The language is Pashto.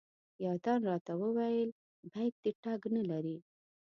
یوه تن راته وویل بیک دې ټګ نه لري.